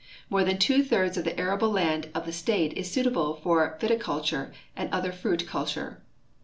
More than Uvo thirds of the arable land of the state is suitable for viticulture and other fruit culture.